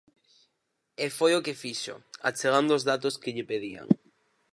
E foi o que fixo, achegando os datos que lle pedían.